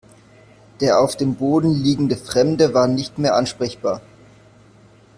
Der auf dem Boden liegende Fremde war nicht mehr ansprechbar.